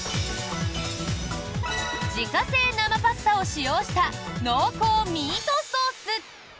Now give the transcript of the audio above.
自家製生パスタを使用した濃厚ミートソース。